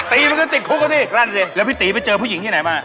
ตีมันก็ติดคุกแล้วสิแล้วพี่ตีไปเจอผู้หญิงที่ไหนมา